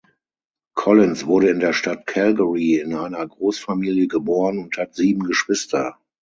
Collins wurde in der Stadt Calgary in einer Großfamilie geboren und hat sieben Geschwister.